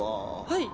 はい！